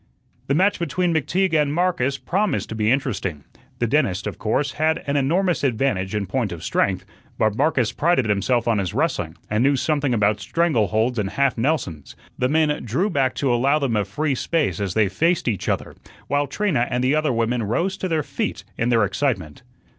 The match between McTeague and Marcus promised to be interesting. The dentist, of course, had an enormous advantage in point of strength, but Marcus prided himself on his wrestling, and knew something about strangle holds and half Nelsons. The men drew back to allow them a free space as they faced each other, while Trina and the other women rose to their feet in their excitement.